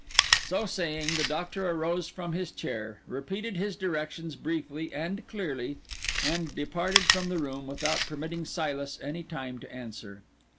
So saying, the Doctor arose from his chair, repeated his directions briefly and clearly, and departed from the room without permitting Silas any time to answer.